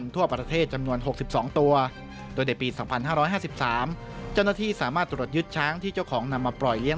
ที่๕๕๓เจ้าหน้าที่สามารถตรวจยึดช้าที่เจ้าของนำมาปล่อยเลี้ยง